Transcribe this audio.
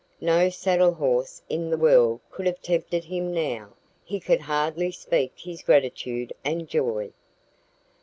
No saddle horse in the world could have tempted him now. He could hardly speak his gratitude and joy.